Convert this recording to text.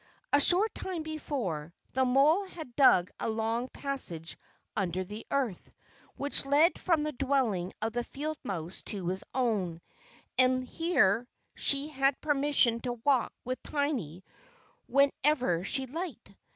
A short time before, the mole had dug a long passage under the earth, which led from the dwelling of the field mouse to his own, and here she had permission to walk with Tiny whenever she liked.